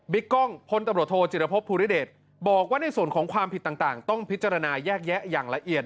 กล้องพลตำรวจโทจิรพบภูริเดชบอกว่าในส่วนของความผิดต่างต้องพิจารณาแยกแยะอย่างละเอียด